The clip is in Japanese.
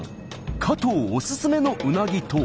加藤おすすめのうなぎとは？